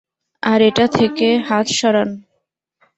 আর এটা থেকে হাত সরান।